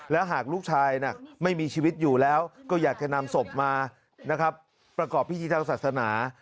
และหากลูกชายไม่มีชีวิตอยู่แล้วก็อยากจะนำศพมานะครับประกอบพิธีทางศาสนา